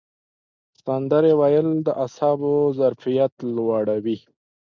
سندرې ویل د اعصابو ظرفیت لوړوي.